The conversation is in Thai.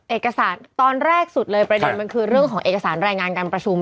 เอกสารตอนแรกสุดเลยประเด็นมันคือเรื่องของเอกสารรายงานการประชุม